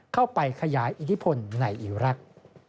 เข้าไปขยายอิทธิพลในอิรักษ์